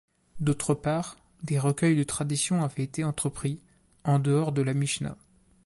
D'autre part, des recueils de traditions avaient été entrepris, en dehors de la Mishna.